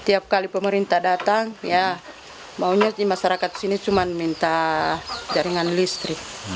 tiap kali pemerintah datang ya maunya masyarakat sini cuma minta jaringan listrik